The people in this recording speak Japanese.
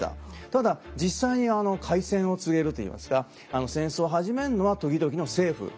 ただ実際に開戦を告げるといいますか戦争を始めるのは時々の政府。